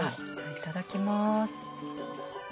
いただきます。